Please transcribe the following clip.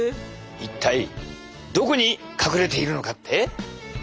一体どこに隠れているのかって？